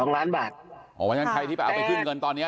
๑๒ล้านบาทอ๋อถ้าใครที่ไปเอาไปขึ้นเงินตอนนี้